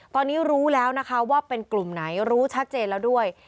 ตอนนี้รู้แล้วนะคะว่าเป็นกลุ่มไหนรู้ชัดเจนแล้วด้วย